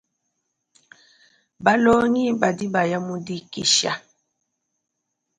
Balongi badi baya mu dikisha.